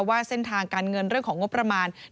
ว่าเส้นทางการเงินเรื่องของงบประมาณที่ไหลเข้า